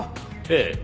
ええ。